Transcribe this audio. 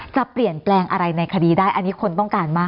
จะเปลี่ยนแปลงอะไรในคดีได้อันนี้คนต้องการมาก